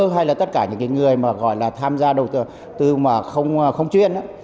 hay là tất cả những cái người mà gọi là tham gia đầu tư mà không chuyên á